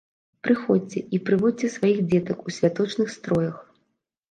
Прыходзьце і прыводзьце сваіх дзетак у святочных строях.